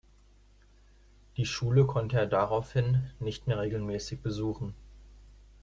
Die Schule konnte er daraufhin nicht mehr regelmäßig besuchen.